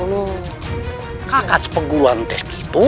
kalo kalo kakak seperguruanku begitu